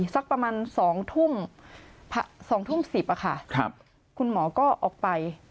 สักประมาณ๒ทุ่ม๑๐นคุณหมอก็ออกไป